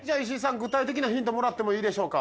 具体的なヒントもらってもいいでしょうか？